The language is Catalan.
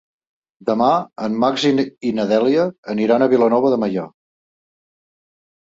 Demà en Max i na Dèlia aniran a Vilanova de Meià.